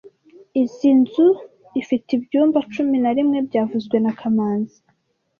Izoi nzu ifite ibyumba cumi na rimwe byavuzwe na kamanzi